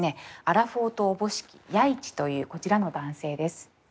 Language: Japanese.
アラフォーとおぼしき弥一というこちらの男性です。